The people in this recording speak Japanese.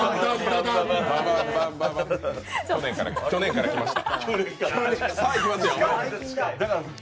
去年から来ました。